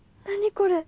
これ。